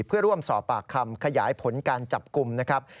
เพื่อร่วมสอบปากคำขยายผลการจับกลุ่มนะครับ